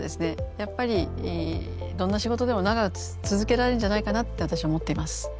やっぱりどんな仕事でも長く続けられるんじゃないかなって私は思っています。